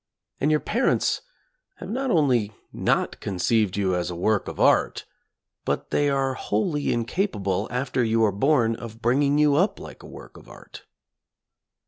And your parents have not only not conceived you as a work of art, but they are wholly incapable after you are born of bringing you up like a work of art.